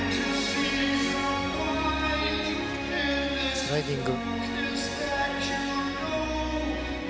スライディング。